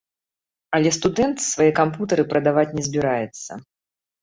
Але студэнт свае кампутары прадаваць не збіраецца.